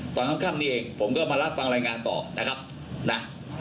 ตอนค่ำนี้เองผมก็มารับฟังรายงานต่อนะครับนะ